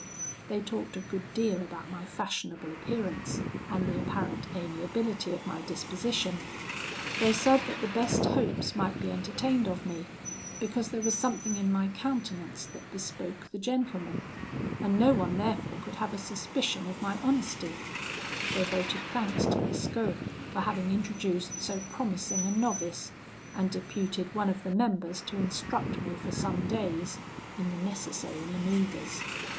They talked a good deal about my fashionable appearance and the apparent amiability of my disposition; they said that the best hopes might be entertained of me, because there was something in my countenance that bespoke the gentleman, and no one therefore could have a suspicion of my honesty: they voted thanks to Lescaut for having introduced so promising a novice, and deputed one of the members to instruct me for some days in the necessary manoeuvres.